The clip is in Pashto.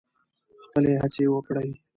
خپلې هڅې وکړئ.